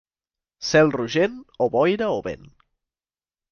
Cel rogent, o boira o vent.